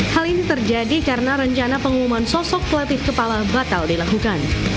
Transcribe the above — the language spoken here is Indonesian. hal ini terjadi karena rencana pengumuman sosok pelatih kepala batal dilakukan